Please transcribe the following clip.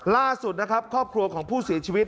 ล่าสุดนะครับครอบครัวของผู้เสียชีวิต